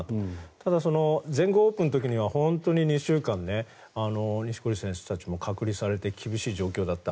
ただ、全豪オープンの時には本当に２週間錦織選手たちも隔離されて厳しい状況だった。